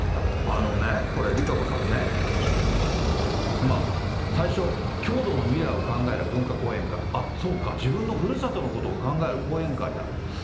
あのね、これね、ＲＩＫＡＣＯさんね、最初、郷土の未来を考える文化講演会、あっ、そうか、自分のふるさとのことを考える講演会だ。